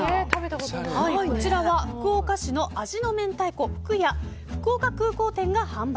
こちらは福岡市の味の明太子ふくや福岡空港店が販売。